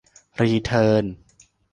รีเทิร์น